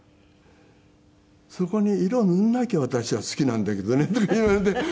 「そこに色を塗んなきゃ私は好きなんだけどね」とか言われて。